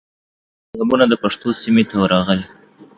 ګڼ مذهبونه د پښتنو سیمې ته ورغلي